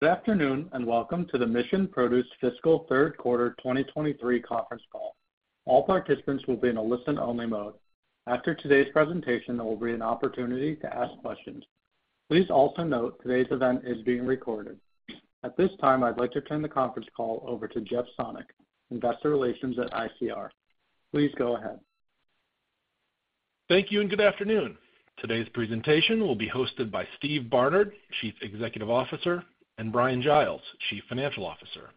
Good afternoon, and welcome to the Mission Produce fiscal third quarter 2023 conference call. All participants will be in a listen-only mode. After today's presentation, there will be an opportunity to ask questions. Please also note today's event is being recorded. At this time, I'd like to turn the conference call over to Jeff Sonnek, Investor Relations at ICR. Please go ahead. Thank you, and good afternoon. Today's presentation will be hosted by Steve Barnard, Chief Executive Officer, and Bryan Giles, Chief Financial Officer.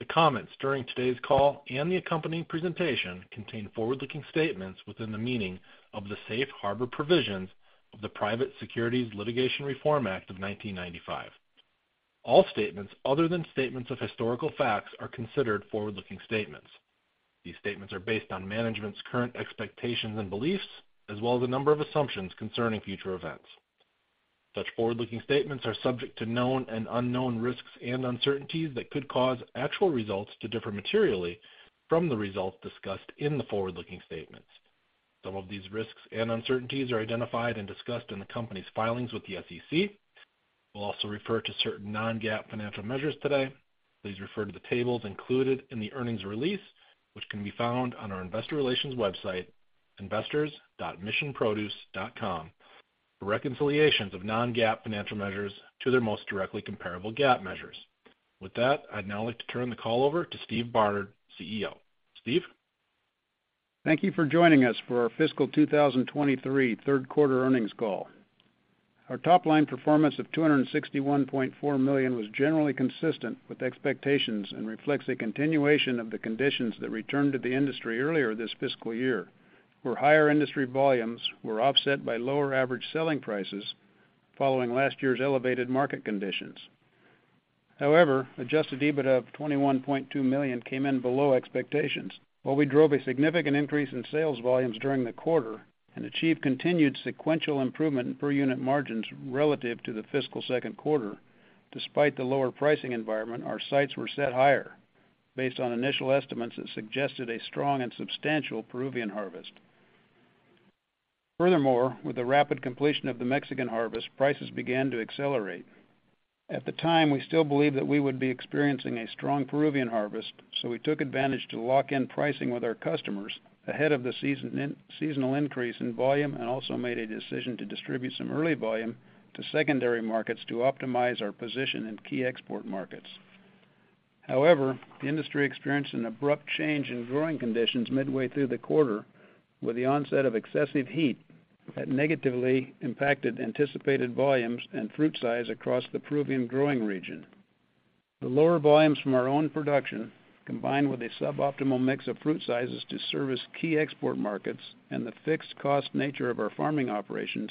The comments during today's call and the accompanying presentation contain forward-looking statements within the meaning of the safe harbor provisions of the Private Securities Litigation Reform Act of 1995. All statements other than statements of historical facts are considered forward-looking statements. These statements are based on management's current expectations and beliefs, as well as a number of assumptions concerning future events. Such forward-looking statements are subject to known and unknown risks and uncertainties that could cause actual results to differ materially from the results discussed in the forward-looking statements. Some of these risks and uncertainties are identified and discussed in the company's filings with the SEC. We'll also refer to certain non-GAAP financial measures today. Please refer to the tables included in the earnings release, which can be found on our investor relations website, investors.missionproduce.com, for reconciliations of non-GAAP financial measures to their most directly comparable GAAP measures. With that, I'd now like to turn the call over to Steve Barnard, CEO. Steve? Thank you for joining us for our fiscal 2023 third quarter earnings call. Our top-line performance of $261.4 million was generally consistent with expectations and reflects a continuation of the conditions that returned to the industry earlier this fiscal year, where higher industry volumes were offset by lower average selling prices following last year's elevated market conditions. However, Adjusted EBITDA of $21.2 million came in below expectations. While we drove a significant increase in sales volumes during the quarter and achieved continued sequential improvement in per unit margins relative to the fiscal second quarter, despite the lower pricing environment, our sights were set higher based on initial estimates that suggested a strong and substantial Peruvian harvest. Furthermore, with the rapid completion of the Mexican harvest, prices began to accelerate. At the time, we still believed that we would be experiencing a strong Peruvian harvest, so we took advantage to lock in pricing with our customers ahead of the season, seasonal increase in volume, and also made a decision to distribute some early volume to secondary markets to optimize our position in key export markets. However, the industry experienced an abrupt change in growing conditions midway through the quarter, with the onset of excessive heat that negatively impacted anticipated volumes and fruit size across the Peruvian growing region. The lower volumes from our own production, combined with a suboptimal mix of fruit sizes to service key export markets and the fixed cost nature of our farming operations,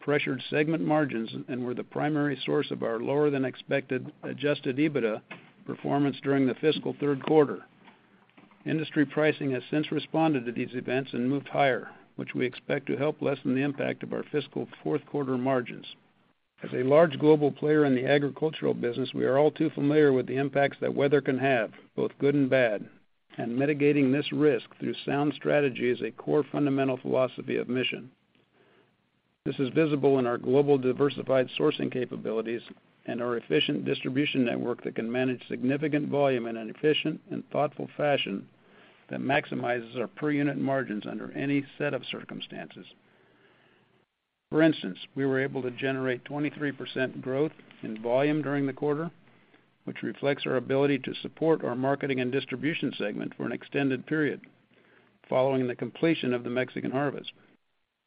pressured segment margins and were the primary source of our lower-than-expected Adjusted EBITDA performance during the fiscal third quarter. Industry pricing has since responded to these events and moved higher, which we expect to help lessen the impact of our fiscal fourth quarter margins. As a large global player in the agricultural business, we are all too familiar with the impacts that weather can have, both good and bad, and mitigating this risk through sound strategy is a core fundamental philosophy of Mission. This is visible in our global diversified sourcing capabilities and our efficient distribution network that can manage significant volume in an efficient and thoughtful fashion that maximizes our per unit margins under any set of circumstances. For instance, we were able to generate 23% growth in volume during the quarter, which reflects our ability to support our marketing and distribution segment for an extended period following the completion of the Mexican harvest.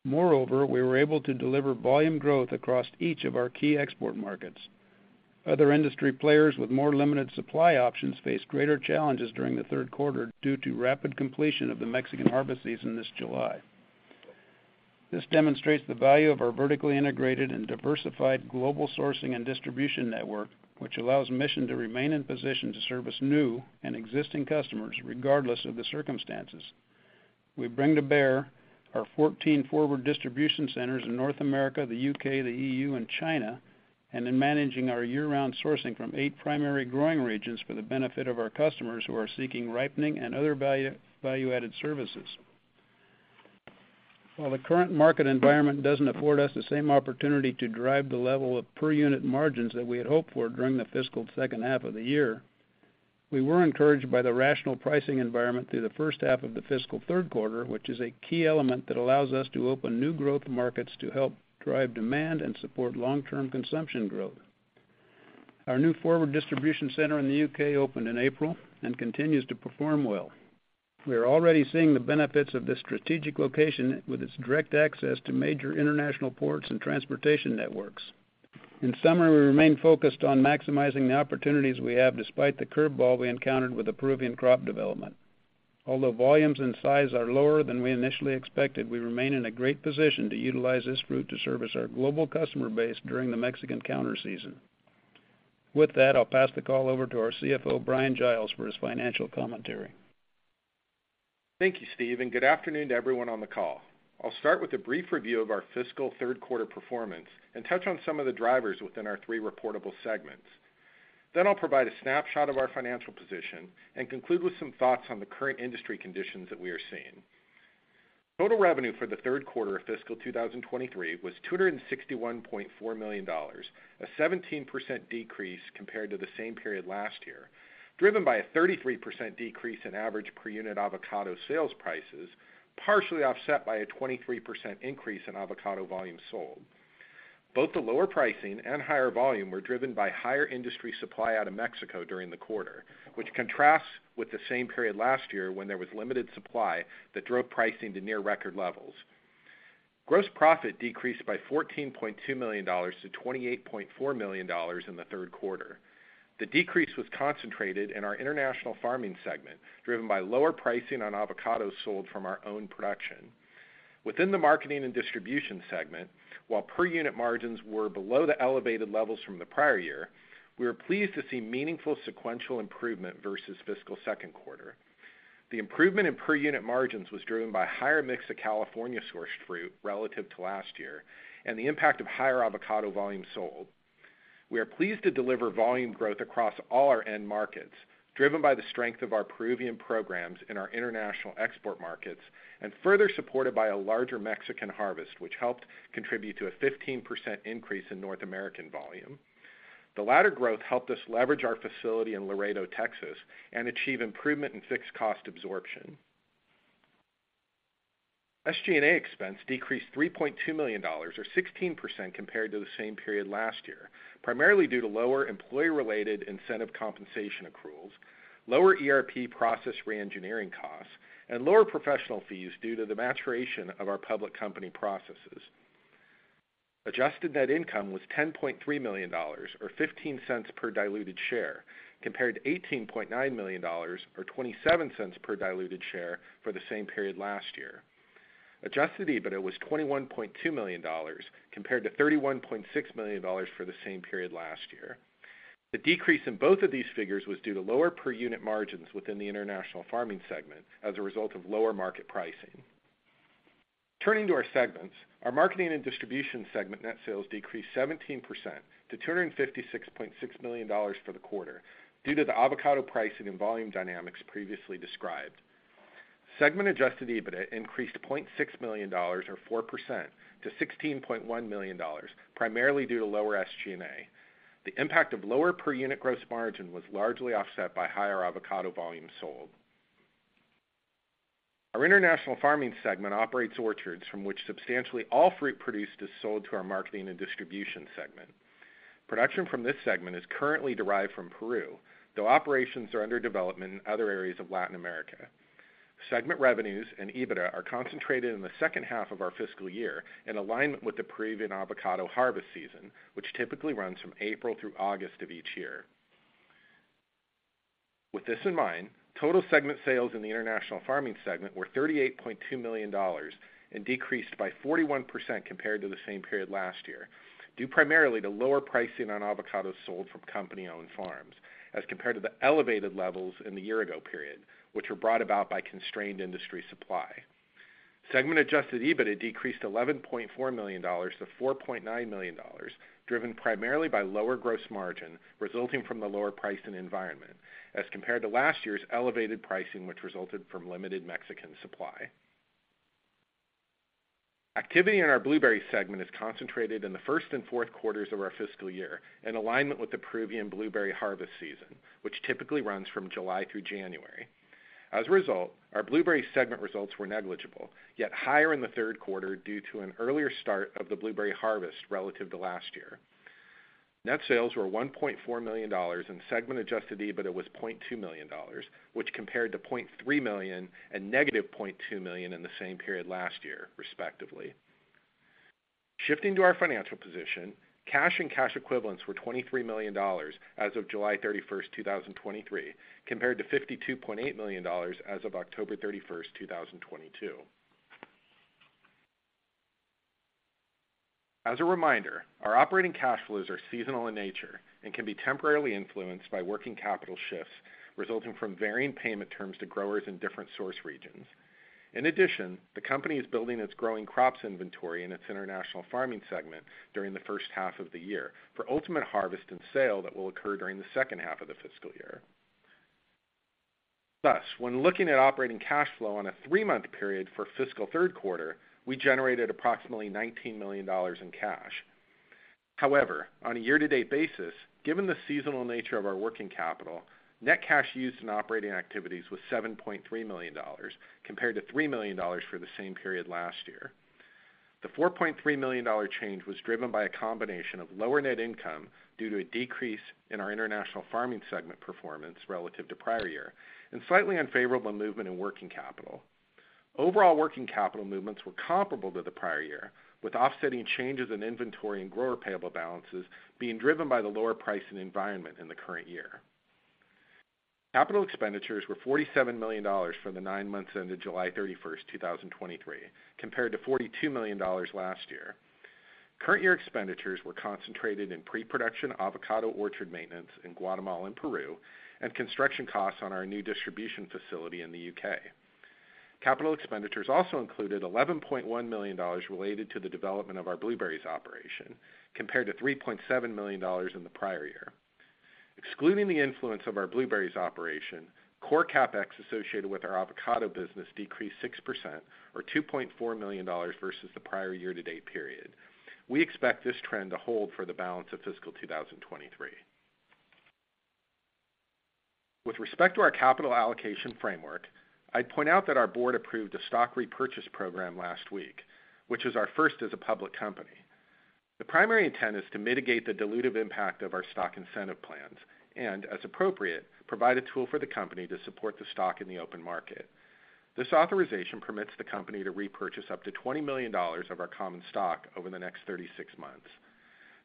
Moreover, we were able to deliver volume growth across each of our key export markets. Other industry players with more limited supply options faced greater challenges during the third quarter due to rapid completion of the Mexican harvest season this July. This demonstrates the value of our vertically integrated and diversified global sourcing and distribution network, which allows Mission to remain in position to service new and existing customers, regardless of the circumstances. We bring to bear our 14 forward distribution centers in North America, the U.K., the E.U., and China, and in managing our year-round sourcing from eight primary growing regions for the benefit of our customers who are seeking ripening and other value, value-added services. While the current market environment doesn't afford us the same opportunity to drive the level of per unit margins that we had hoped for during the fiscal second half of the year, we were encouraged by the rational pricing environment through the first half of the fiscal third quarter, which is a key element that allows us to open new growth markets to help drive demand and support long-term consumption growth. Our new forward distribution center in the U.K. opened in April and continues to perform well. We are already seeing the benefits of this strategic location with its direct access to major international ports and transportation networks. In summary, we remain focused on maximizing the opportunities we have despite the curveball we encountered with the Peruvian crop development. Although volumes and size are lower than we initially expected, we remain in a great position to utilize this fruit to service our global customer base during the Mexican counterseason. With that, I'll pass the call over to our CFO, Bryan Giles, for his financial commentary. Thank you, Steve, and good afternoon to everyone on the call. I'll start with a brief review of our fiscal third quarter performance and touch on some of the drivers within our three reportable segments. Then I'll provide a snapshot of our financial position and conclude with some thoughts on the current industry conditions that we are seeing. Total revenue for the third quarter of fiscal 2023 was $261.4 million, a 17% decrease compared to the same period last year, driven by a 33% decrease in average per unit avocado sales prices, partially offset by a 23% increase in avocado volume sold. Both the lower pricing and higher volume were driven by higher industry supply out of Mexico during the quarter, which contrasts with the same period last year when there was limited supply that drove pricing to near record levels. Gross profit decreased by $14.2 million to $28.4 million in the third quarter. The decrease was concentrated in our international farming segment, driven by lower pricing on avocados sold from our own production. Within the marketing and distribution segment, while per unit margins were below the elevated levels from the prior year, we were pleased to see meaningful sequential improvement versus fiscal second quarter. The improvement in per unit margins was driven by higher mix of California-sourced fruit relative to last year and the impact of higher avocado volume sold. We are pleased to deliver volume growth across all our end markets, driven by the strength of our Peruvian programs in our international export markets, and further supported by a larger Mexican harvest, which helped contribute to a 15% increase in North American volume. The latter growth helped us leverage our facility in Laredo, Texas, and achieve improvement in fixed cost absorption. SG&A expense decreased $3.2 million or 16% compared to the same period last year, primarily due to lower employee-related incentive compensation accruals, lower ERP process reengineering costs, and lower professional fees due to the maturation of our public company processes. Adjusted net income was $10.3 million, or $0.15 per diluted share, compared to $18.9 million or $0.27 per diluted share for the same period last year. Adjusted EBITDA was $21.2 million, compared to $31.6 million for the same period last year. The decrease in both of these figures was due to lower per unit margins within the international farming segment as a result of lower market pricing. Turning to our segments. Our marketing and distribution segment net sales decreased 17% to $256.6 million for the quarter due to the avocado pricing and volume dynamics previously described. Segment adjusted EBITDA increased $0.6 million, or 4% to $16.1 million, primarily due to lower SG&A. The impact of lower per unit gross margin was largely offset by higher avocado volume sold. Our international farming segment operates orchards from which substantially all fruit produced is sold to our marketing and distribution segment. Production from this segment is currently derived from Peru, though operations are under development in other areas of Latin America. Segment revenues and EBITDA are concentrated in the second half of our fiscal year in alignment with the Peruvian avocado harvest season, which typically runs from April through August of each year. With this in mind, total segment sales in the international farming segment were $38.2 million and decreased by 41% compared to the same period last year, due primarily to lower pricing on avocados sold from company-owned farms, as compared to the elevated levels in the year ago period, which were brought about by constrained industry supply. Segment Adjusted EBITDA decreased $11.4 million-$4.9 million, driven primarily by lower gross margin resulting from the lower pricing environment as compared to last year's elevated pricing, which resulted from limited Mexican supply. Activity in our blueberry segment is concentrated in the first and fourth quarters of our fiscal year, in alignment with the Peruvian blueberry harvest season, which typically runs from July through January. As a result, our blueberry segment results were negligible, yet higher in the third quarter due to an earlier start of the blueberry harvest relative to last year. Net sales were $1.4 million, and segment Adjusted EBITDA was $0.2 million, which compared to $0.3 million and -$0.2 million in the same period last year, respectively. Shifting to our financial position. Cash and cash equivalents were $23 million as of July 31, 2023, compared to $52.8 million as of October 31st, 2022. As a reminder, our operating cash flows are seasonal in nature and can be temporarily influenced by working capital shifts resulting from varying payment terms to growers in different source regions. In addition, the company is building its growing crops inventory in its international farming segment during the first half of the year for ultimate harvest and sale that will occur during the second half of the fiscal year. Thus, when looking at operating cash flow on a three-month period for fiscal third quarter, we generated approximately $19 million in cash. However, on a year-to-date basis, given the seasonal nature of our working capital, net cash used in operating activities was $7.3 million, compared to $3 million for the same period last year. The $4.3 million change was driven by a combination of lower net income due to a decrease in our international farming segment performance relative to prior year and slightly unfavorable movement in working capital. Overall, working capital movements were comparable to the prior year, with offsetting changes in inventory and grower payable balances being driven by the lower pricing environment in the current year. Capital expenditures were $47 million for the nine months ended July 31, 2023, compared to $42 million last year. Current year expenditures were concentrated in pre-production avocado orchard maintenance in Guatemala and Peru, and construction costs on our new distribution facility in the U.K. Capital expenditures also included $11.1 million related to the development of our blueberries operation, compared to $3.7 million in the prior year. ... excluding the influence of our blueberries operation, core CapEx associated with our avocado business decreased 6% or $2.4 million versus the prior year-to-date period. We expect this trend to hold for the balance of fiscal 2023. With respect to our capital allocation framework, I'd point out that our board approved a stock repurchase program last week, which is our first as a public company. The primary intent is to mitigate the dilutive impact of our stock incentive plans and, as appropriate, provide a tool for the company to support the stock in the open market. This authorization permits the company to repurchase up to $20 million of our common stock over the next 36 months.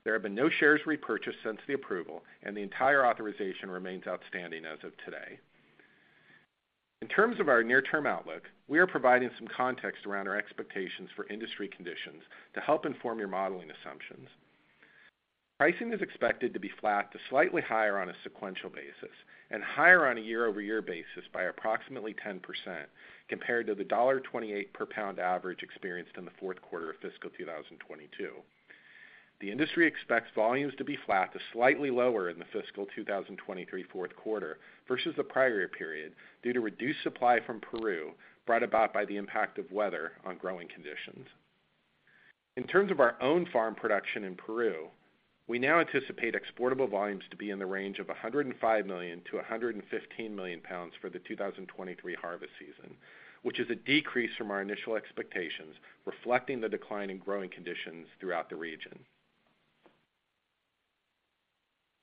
There have been no shares repurchased since the approval, and the entire authorization remains outstanding as of today. In terms of our near-term outlook, we are providing some context around our expectations for industry conditions to help inform your modeling assumptions. Pricing is expected to be flat to slightly higher on a sequential basis, and higher on a year-over-year basis by approximately 10% compared to the $1.28 per pound average experienced in the fourth quarter of fiscal 2022. The industry expects volumes to be flat to slightly lower in the fiscal 2023 fourth quarter versus the prior period, due to reduced supply from Peru, brought about by the impact of weather on growing conditions. In terms of our own farm production in Peru, we now anticipate exportable volumes to be in the range of 105 million-115 million pounds for the 2023 harvest season, which is a decrease from our initial expectations, reflecting the decline in growing conditions throughout the region.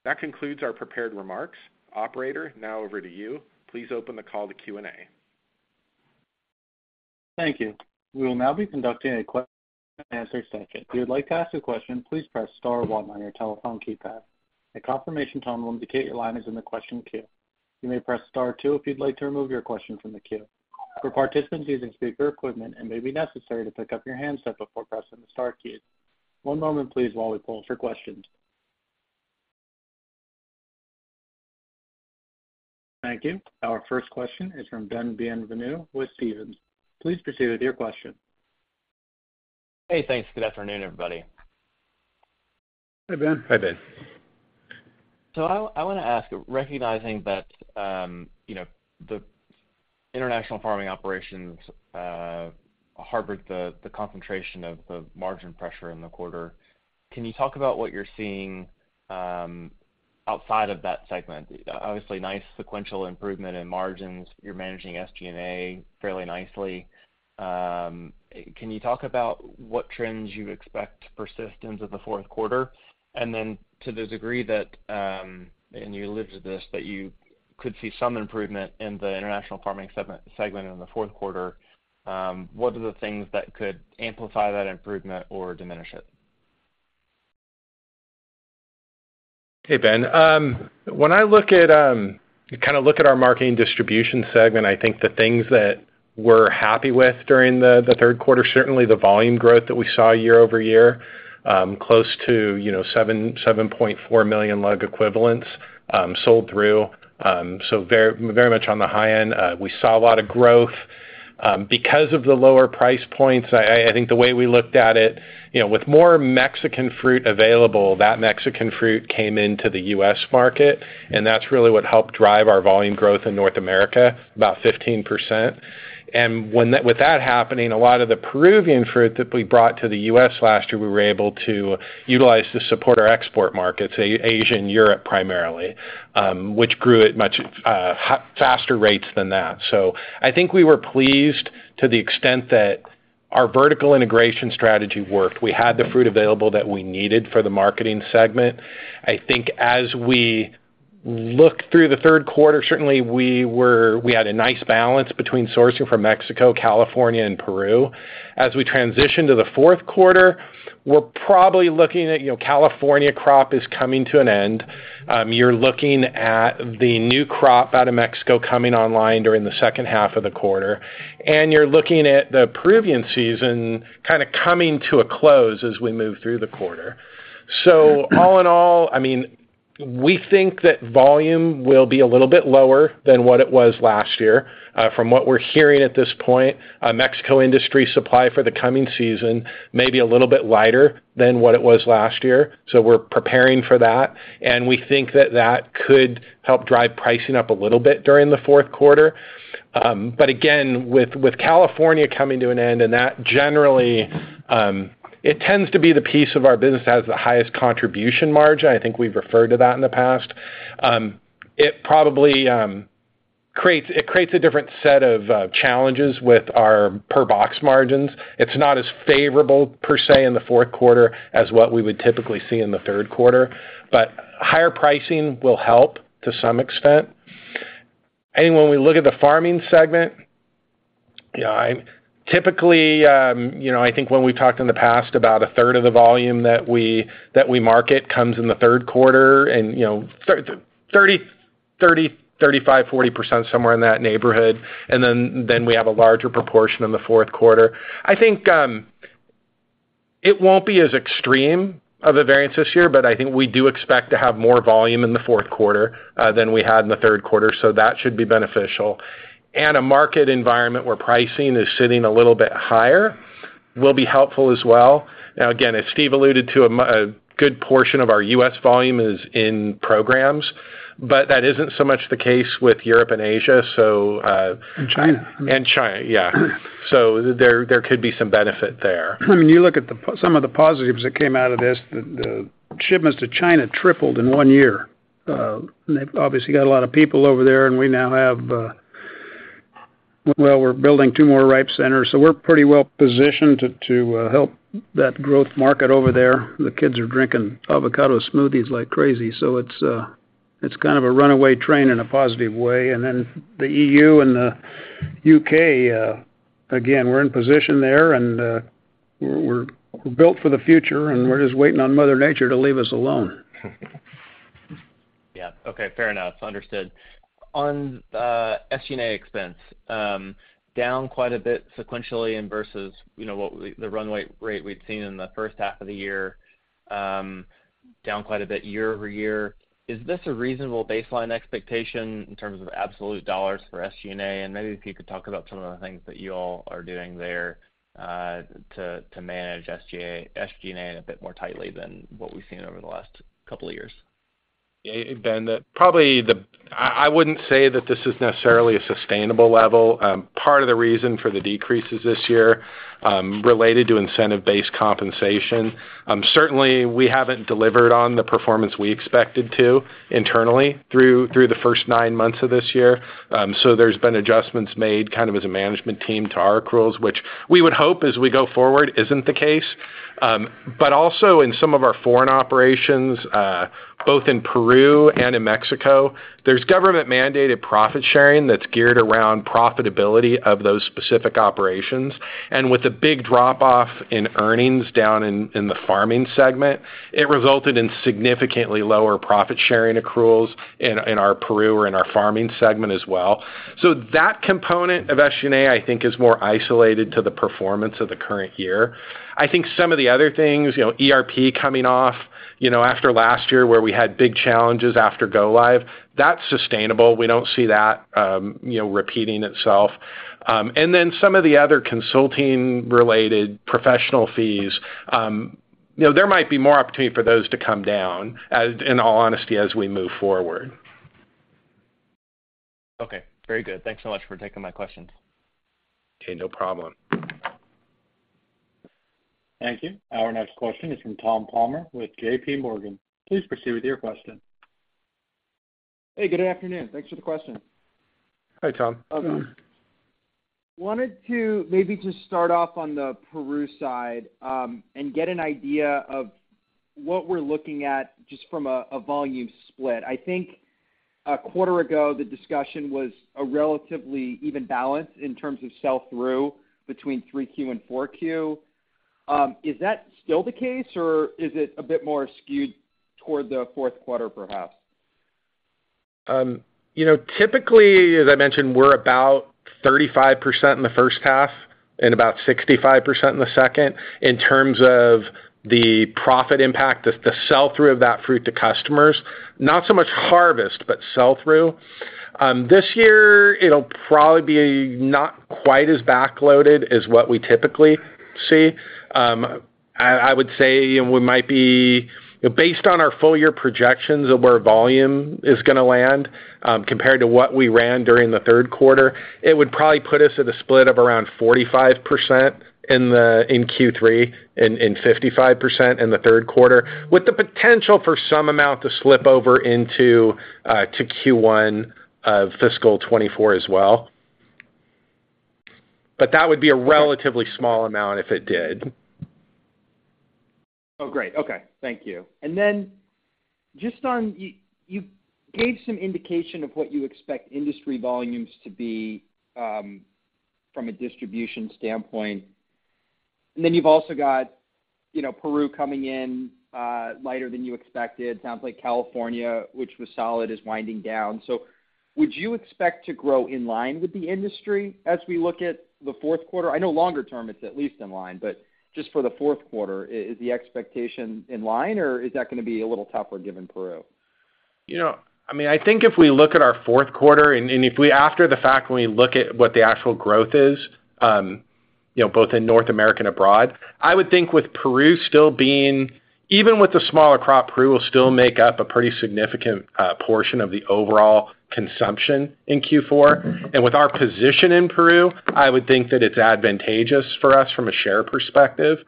That concludes our prepared remarks. Operator, now over to you. Please open the call to Q&A. Thank you. We will now be conducting a question and answer session. If you'd like to ask a question, please press star one on your telephone keypad. A confirmation tone will indicate your line is in the question queue. You may press star two if you'd like to remove your question from the queue. For participants using speaker equipment, it may be necessary to pick up your handset before pressing the star key. One moment please, while we pull for questions. Thank you. Our first question is from Ben Bienvenu with Stephens. Please proceed with your question. Hey, thanks. Good afternoon, everybody. Hi, Ben. Hi, Ben. So I want to ask, recognizing that, you know, the international farming operations harbored the concentration of margin pressure in the quarter, can you talk about what you're seeing outside of that segment? Obviously, nice sequential improvement in margins. You're managing SG&A fairly nicely. Can you talk about what trends you expect to persist into the fourth quarter? And then to the degree that, and you alluded to this, that you could see some improvement in the international farming segment in the fourth quarter, what are the things that could amplify that improvement or diminish it? Hey, Ben. When I look at kind of our marketing distribution segment, I think the things that we're happy with during the third quarter, certainly the volume growth that we saw year-over-year, close to, you know, 7.4 million lug equivalents sold through. So very, very much on the high end. We saw a lot of growth because of the lower price points. I think the way we looked at it, you know, with more Mexican fruit available, that Mexican fruit came into the U.S. market, and that's really what helped drive our volume growth in North America, about 15%. When that with that happening, a lot of the Peruvian fruit that we brought to the U.S. last year, we were able to utilize to support our export markets, Asia and Europe, primarily, which grew at much faster rates than that. So I think we were pleased to the extent that our vertical integration strategy worked. We had the fruit available that we needed for the marketing segment. I think as we look through the third quarter, certainly we were we had a nice balance between sourcing from Mexico, California, and Peru. As we transition to the fourth quarter, we're probably looking at, you know, California crop is coming to an end. You're looking at the new crop out of Mexico coming online during the second half of the quarter, and you're looking at the Peruvian season kind of coming to a close as we move through the quarter. So all in all, I mean, we think that volume will be a little bit lower than what it was last year. From what we're hearing at this point, Mexico industry supply for the coming season may be a little bit lighter than what it was last year, so we're preparing for that, and we think that that could help drive pricing up a little bit during the fourth quarter. But again, with, with California coming to an end, and that generally, it tends to be the piece of our business that has the highest contribution margin. I think we've referred to that in the past. It probably creates a different set of challenges with our per box margins. It's not as favorable per se in the fourth quarter as what we would typically see in the third quarter, but higher pricing will help to some extent. And when we look at the farming segment, yeah, typically, you know, I think when we talked in the past about a third of the volume that we market comes in the third quarter and, you know, 30%, 35%, 40%, somewhere in that neighborhood, and then we have a larger proportion in the fourth quarter. I think it won't be as extreme of a variance this year, but I think we do expect to have more volume in the fourth quarter than we had in the third quarter, so that should be beneficial. A market environment where pricing is sitting a little bit higher... will be helpful as well. Now, again, as Steve alluded to, a good portion of our U.S. volume is in programs, but that isn't so much the case with Europe and Asia, so, And China. And China, yeah. So there, there could be some benefit there. When you look at some of the positives that came out of this, the shipments to China tripled in one year. And they've obviously got a lot of people over there, and we now have, well, we're building two more ripe centers, so we're pretty well positioned to help that growth market over there. The kids are drinking avocado smoothies like crazy, so it's kind of a runaway train in a positive way. And then the EU and the U.K., again, we're in position there, and we're built for the future, and we're just waiting on Mother Nature to leave us alone. Yeah. Okay, fair enough. Understood. On SG&A expense, down quite a bit sequentially and versus, you know, the runway rate we'd seen in the first half of the year, down quite a bit year over year. Is this a reasonable baseline expectation in terms of absolute dollars for SG&A? And maybe if you could talk about some of the things that you all are doing there to manage SG&A a bit more tightly than what we've seen over the last couple of years. Yeah, Ben, probably I wouldn't say that this is necessarily a sustainable level. Part of the reason for the decreases this year related to incentive-based compensation. Certainly, we haven't delivered on the performance we expected to internally through the first nine months of this year. So there's been adjustments made kind of as a management team to our accruals, which we would hope as we go forward, isn't the case. But also in some of our foreign operations, both in Peru and in Mexico, there's government-mandated profit sharing that's geared around profitability of those specific operations. And with the big drop-off in earnings down in the farming segment, it resulted in significantly lower profit sharing accruals in our Peru or in our farming segment as well. So that component of SG&A, I think, is more isolated to the performance of the current year. I think some of the other things, you know, ERP coming off, you know, after last year where we had big challenges after go live, that's sustainable. We don't see that, you know, repeating itself. And then some of the other consulting-related professional fees, you know, there might be more opportunity for those to come down, in all honesty, as we move forward. Okay, very good. Thanks so much for taking my questions. Okay, no problem. Thank you. Our next question is from Tom Palmer with J.P. Morgan. Please proceed with your question. Hey, good afternoon. Thanks for the question. Hi, Tom. Wanted to maybe just start off on the Peru side, and get an idea of what we're looking at just from a, a volume split. I think a quarter ago, the discussion was a relatively even balance in terms of sell-through between 3Q and 4Q. Is that still the case, or is it a bit more skewed toward the fourth quarter, perhaps? You know, typically, as I mentioned, we're about 35% in the first half and about 65% in the second. In terms of the profit impact, the sell-through of that fruit to customers, not so much harvest, but sell-through. This year, it'll probably be not quite as backloaded as what we typically see. I would say we might be—Based on our full year projections of where volume is gonna land, compared to what we ran during the third quarter, it would probably put us at a split of around 45% in Q3 and 55% in the third quarter, with the potential for some amount to slip over into Q1 of fiscal 2024 as well. But that would be a relatively small amount if it did. Oh, great. Okay, thank you. And then, just on you, you gave some indication of what you expect industry volumes to be from a distribution standpoint. And then you've also got, you know, Peru coming in lighter than you expected. Sounds like California, which was solid, is winding down. So would you expect to grow in line with the industry as we look at the fourth quarter? I know longer term, it's at least in line, but just for the fourth quarter, is the expectation in line, or is that gonna be a little tougher given Peru? You know, I mean, I think if we look at our fourth quarter and if we, after the fact, when we look at what the actual growth is, you know, both in North America and abroad, I would think with Peru still being even with the smaller crop, Peru will still make up a pretty significant portion of the overall consumption in Q4. And with our position in Peru, I would think that it's advantageous for us from a share perspective.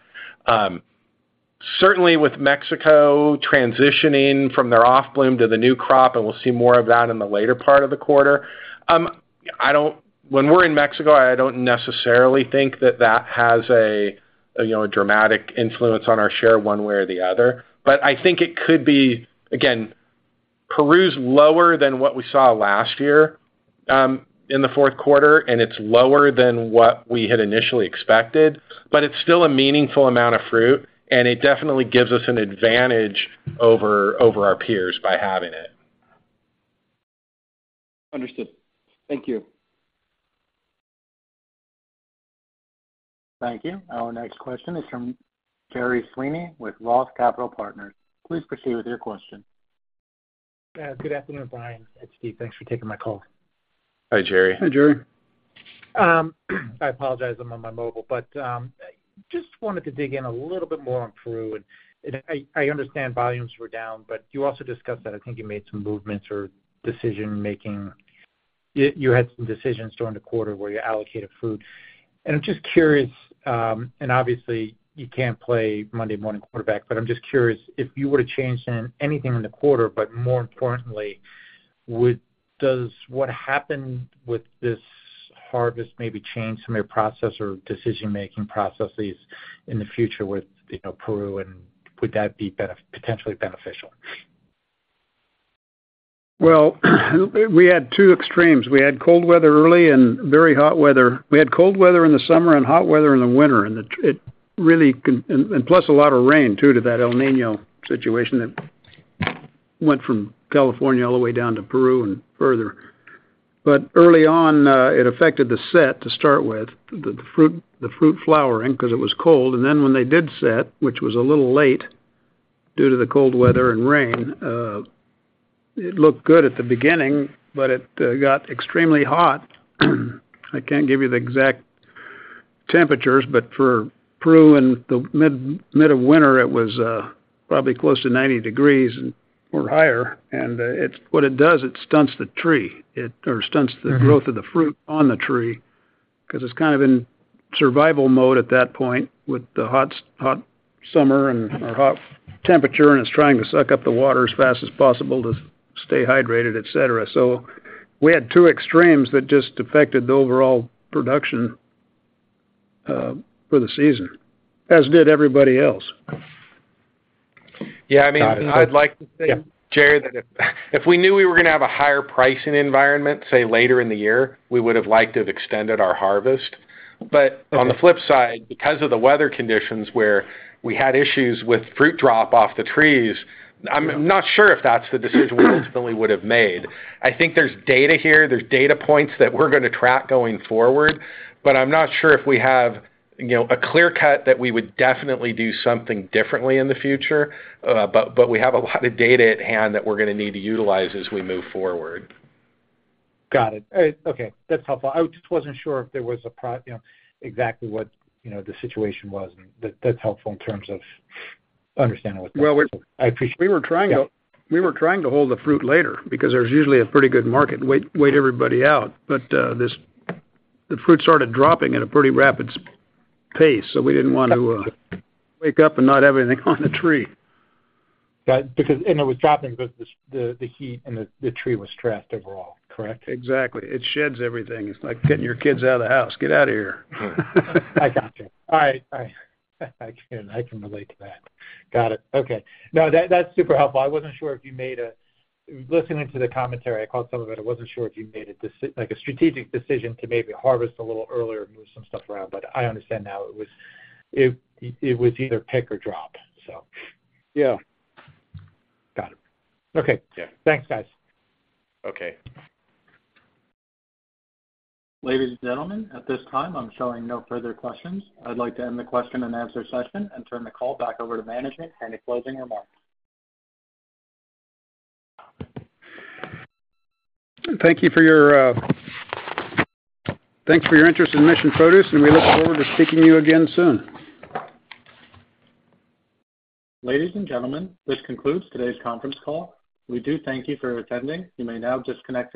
Certainly with Mexico transitioning from their off-bloom to the new crop, and we'll see more of that in the later part of the quarter. I don't. When we're in Mexico, I don't necessarily think that that has a, you know, a dramatic influence on our share one way or the other. But I think it could be, again, Peru's lower than what we saw last year in the fourth quarter, and it's lower than what we had initially expected, but it's still a meaningful amount of fruit, and it definitely gives us an advantage over, over our peers by having it. Understood. Thank you. Thank you. Our next question is from Gerry Sweeney with Roth Capital Partners. Please proceed with your question. ... Yeah, good afternoon, Bryan. It's Steve. Thanks for taking my call. Hi, Gerry. Hi, Gerry. I apologize, I'm on my mobile, but just wanted to dig in a little bit more on Peru, and I understand volumes were down, but you also discussed that I think you made some movements or decision-making. You had some decisions during the quarter where you allocated fruit. And I'm just curious, and obviously, you can't play Monday Morning Quarterback, but I'm just curious if you were to change anything in the quarter, but more importantly, would--does what happened with this harvest maybe change some of your process or decision-making processes in the future with, you know, Peru, and would that be benef--potentially beneficial? Well, we had two extremes. We had cold weather early and very hot weather. We had cold weather in the summer and hot weather in the winter, and it really, and plus a lot of rain, too, to that El Niño situation that went from California all the way down to Peru and further. But early on, it affected the set to start with, the fruit, the fruit flowering, 'cause it was cold. And then when they did set, which was a little late due to the cold weather and rain, it looked good at the beginning, but it got extremely hot. I can't give you the exact temperatures, but for Peru in the mid of winter, it was probably close to 90 degrees or higher, and it's what it does, it stunts the tree. It or stunts the growth of the fruit on the tree, 'cause it's kind of in survival mode at that point with the hot, hot summer and, or hot temperature, and it's trying to suck up the water as fast as possible to stay hydrated, et cetera. So we had two extremes that just affected the overall production for the season, as did everybody else. Yeah, I mean, I'd like to say, Gerry, that if, if we knew we were gonna have a higher pricing environment, say, later in the year, we would have liked to have extended our harvest. But on the flip side, because of the weather conditions where we had issues with fruit drop off the trees, I'm not sure if that's the decision we ultimately would've made. I think there's data here, there's data points that we're gonna track going forward, but I'm not sure if we have, you know, a clear cut that we would definitely do something differently in the future. But, but we have a lot of data at hand that we're gonna need to utilize as we move forward. Got it. All right. Okay, that's helpful. I just wasn't sure if there was—you know, exactly what, you know, the situation was, and that, that's helpful in terms of understanding what- Well, we- I appreciate it. We were trying to- Yeah. We were trying to hold the fruit later because there's usually a pretty good market, wait, wait everybody out. But the fruit started dropping at a pretty rapid pace, so we didn't want to wake up and not have anything on the tree. Got it. Because, and it was dropping because the heat and the tree was stressed overall, correct? Exactly. It sheds everything. It's like getting your kids out of the house. Get out of here. I got you. All right. All right. I can relate to that. Got it. Okay. No, that's super helpful. I wasn't sure if you made a decision. Listening to the commentary, I caught some of it. I wasn't sure if you made a decision like a strategic decision to maybe harvest a little earlier and move some stuff around, but I understand now it was either pick or drop, so. Yeah. Got it. Okay. Yeah. Thanks, guys. Okay. Ladies and gentlemen, at this time, I'm showing no further questions. I'd like to end the question and answer session and turn the call back over to management for any closing remarks. Thank you for your interest in Mission Produce, and we look forward to speaking to you again soon. Ladies and gentlemen, this concludes today's conference call. We do thank you for attending. You may now disconnect your lines.